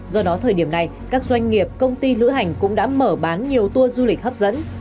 do đó thời điểm này các doanh nghiệp công ty lữ hành cũng đã mở bán nhiều tour du lịch hấp dẫn